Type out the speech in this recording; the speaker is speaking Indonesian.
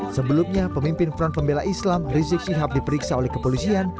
sebelumnya pemimpin front pembela islam rizik syihab diperiksa oleh kepolisian